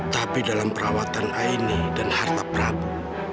tapi dalam perawatan aini dan harta prabu